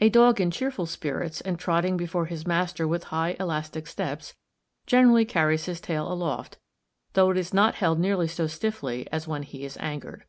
A dog in cheerful spirits, and trotting before his master with high, elastic steps, generally carries his tail aloft, though it is not held nearly so stiffly as when he is angered.